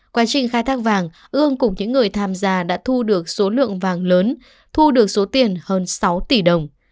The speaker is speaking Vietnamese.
quá trình khai thác vàng ương cùng những người tham gia đã thu được số lượng vàng lớn thu được số tiền hơn sáu tỷ đồng